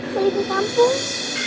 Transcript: balik ke kampung